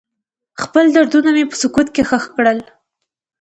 خپل دردونه مې په سکوت کې ښخ کړل.